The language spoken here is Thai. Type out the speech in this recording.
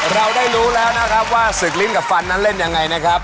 เราได้รู้แล้วนะครับว่าศึกลิ้นกับฟันนั้นเล่นยังไงนะครับ